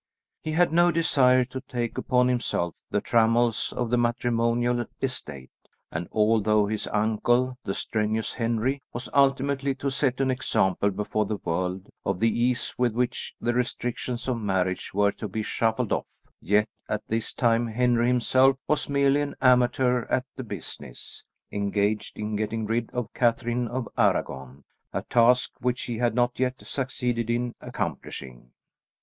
He had no desire to take upon himself the trammels of the matrimonial estate, and although his uncle, the strenuous Henry, was ultimately to set an example before the world of the ease with which the restrictions of marriage were to be shuffled off, yet at this time Henry himself was merely an amateur at the business, engaged in getting rid of Catherine of Arragon, a task which he had not yet succeeded in accomplishing.